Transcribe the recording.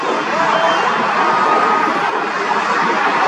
Defender Mapou Yanga এমবিয়ার টুঁটি চেপে ধরে ফুটবল বিশ্বকেই চমকে দিয়েছেন মেসি।